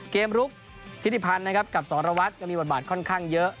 ลุกธิติพันธ์นะครับกับสรวัตรก็มีบทบาทค่อนข้างเยอะ